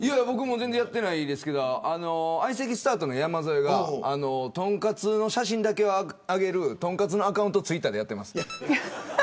全然やってませんけど相席スタートの山添がとんかつの写真だけを上げるとんかつのアカウントをツイッターでやってます。